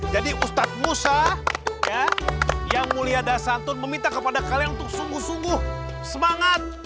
jadi ustadz musa ya yang mulia dasantun meminta kepada kalian untuk sungguh sungguh semangat